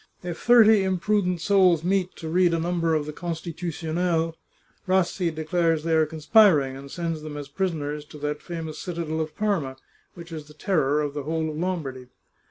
If thirty imprudent souls meet to read a number of the Constitutionnel, Rassi declares they are conspiring, and sends them as prisoners to that famous Citadel of Parma, which is the terror of the whole of Lombardy.